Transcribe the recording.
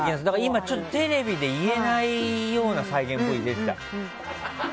今、テレビで言えないような再現Ｖ出てた。